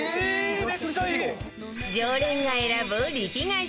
常連が選ぶリピ買い